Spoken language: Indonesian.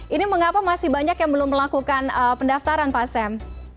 ini mengapa masih banyak yang belum melakukan pendaftaran pak sam